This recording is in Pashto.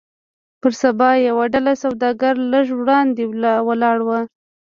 پر سبا يوه ډله سوداګر لږ وړاندې ولاړ وو.